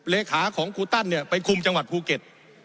เลขาของครูตันเนี่ยไปคุมจังหวัดภูเก็ต